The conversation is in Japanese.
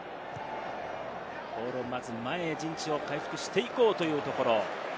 ボールをまず前の陣地へ回復していこうというところ。